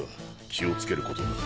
気をつけることだ。